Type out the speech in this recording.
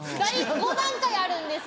５段階あるんです。